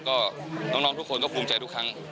ก็น้องทุกคนก็ภูมิใจทุกครั้ง